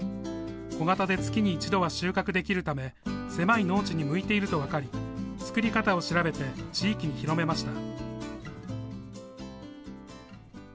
小型で月に一度は収穫できるため狭い農地に向いていると分かり作り方を調べて地域に広めました。